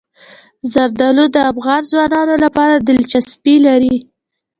زردالو د افغان ځوانانو لپاره دلچسپي لري.